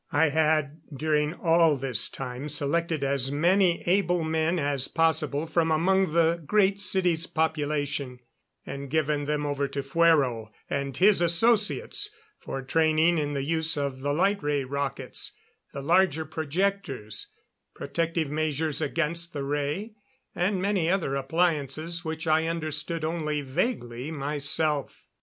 I had, during all this time, selected as many able men as possible from among the Great City's population, and given them over to Fuero and his associates for training in the use of the light ray rockets, the larger projectors, protective measures against the ray, and many other appliances which I understood only vaguely myself.